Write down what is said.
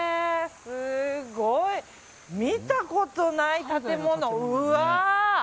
すごい！見たことない建物。